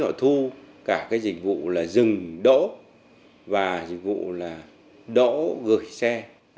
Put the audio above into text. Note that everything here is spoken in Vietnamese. họ thu cả cái dịch vụ là dừng đỗ và dịch vụ là đỗ gửi xe